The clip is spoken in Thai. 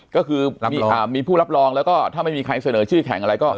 ก็คือมีผู้รับรองแล้วก็ถ้าไม่มีใครเสนอชื่อแข่งอะไรก็